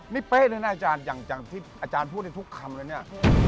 นี่เป๊ะเลยนะอาจารย์อย่างที่อาจารย์พูดในทุกคำแล้วเนี่ย